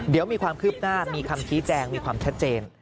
เดี๋ยวมีความคืบหน้ามีคำชี้แจงมีความชัดเจน